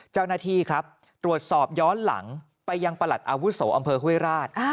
เจ้าหน้าที่ครับตรวจสอบย้อนหลังไปยังประหลัดอาวุโสอำเภอห้วยราช